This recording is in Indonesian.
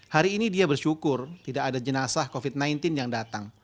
hari ini dia bersyukur tidak ada jenazah covid sembilan belas yang datang